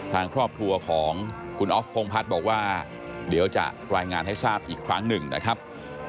ทางครอบครัวของคุณออฟพงพัฒน์บอกว่าเดี๋ยวจะรายงานให้ทราบอีกครั้งหนึ่งนะครับ